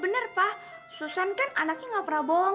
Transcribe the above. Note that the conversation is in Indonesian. nani kajian belum